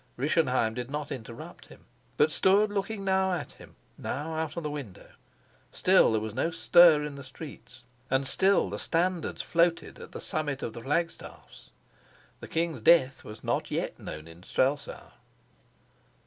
Rischenheim did not interrupt him, but stood looking now at him, now out of the window. Still there was no stir in the streets, and still the standards floated at the summit of the flag staffs. The king's death was not yet known in Strelsau.